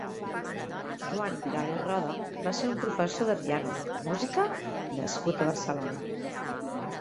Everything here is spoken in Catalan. Joan Vidal i Roda va ser un professor de piano i música nascut a Barcelona.